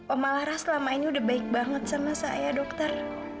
oma lara selama ini udah baik banget sama saya dokter